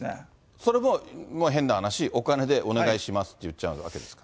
それもう、変な話、お金でお願いしますって言っちゃうわけですか？